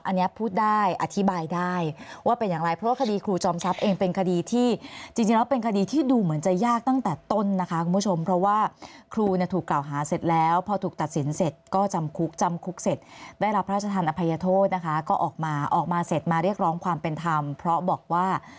อันนี้พูดได้อธิบายได้ว่าเป็นอย่างไรเพราะว่าคดีครูจอมทรัพย์เองเป็นคดีที่จริงแล้วเป็นคดีที่ดูเหมือนจะยากตั้งแต่ต้นนะคะคุณผู้ชมเพราะว่าครูเนี่ยถูกกล่าวหาเสร็จแล้วพอถูกตัดสินเสร็จก็จำคุกจำคุกเสร็จได้รับพระราชทานอภัยโทษนะคะก็ออกมาออกมาเสร็จมาเรียกร้องความเป็นธรรมเพราะบอกว่า